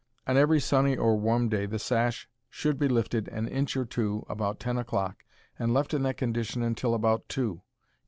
On every sunny or warm day the sash should be lifted an inch or two, about ten o'clock, and left in that condition until about two.